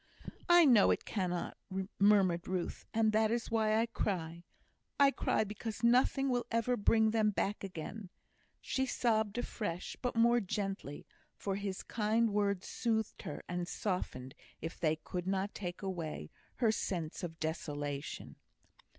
"I know it cannot," murmured Ruth; "and that is why I cry. I cry because nothing will ever bring them back again." She sobbed afresh, but more gently, for his kind words soothed her, and softened, if they could not take away, her sense of desolation.